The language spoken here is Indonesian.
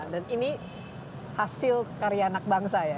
dan ini hasil karyanak bangsa ya